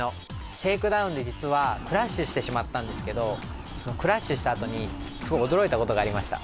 シェイクダウンで実はクラッシュしてしまったんですけどクラッシュしたあとにすごい驚いた事がありました。